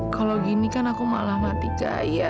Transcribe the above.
kalau gini kan aku malah mati jaya